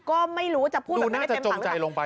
ก็ไม่รู้จะพูดแบบนั้นในเต็มฝั่งดูน่าจะจงใจลงไป